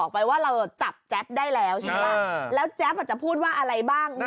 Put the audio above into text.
แล้วแจ๊ปอาจจะพูดว่าอะไรนะ